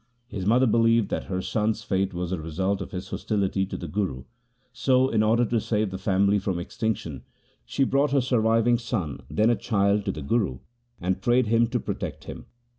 His mother believed that her son's fate was the result of his hostility to the Guru, so, in order to save the family from extinction, she brought her surviving son, then a child, to the Guru, and prayed him to protect him.